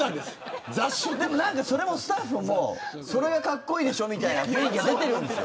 なんかスタッフもそれがかっこいいでしょみたいな雰囲気が出てるんですよ。